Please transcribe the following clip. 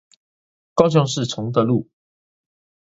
高雄市崇德路